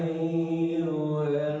apa yang kita lakukan